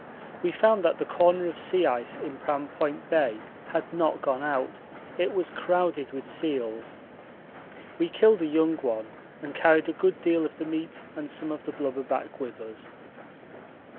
We found that the corner of sea ice in Pram Point Bay had not gone out it was crowded with seals. We killed a young one and carried a good deal of the meat and some of the blubber back with us.